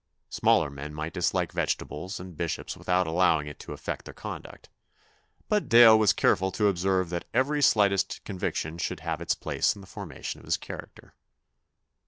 Smaller men might dislike vegetables and bishops without allowing it to affect their conduct ; but Dale was careful to observe that every slightest conviction should have its place in the formation of his character.